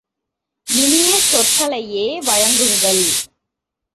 இனிய சொற்களையே வழங்குங்கள்!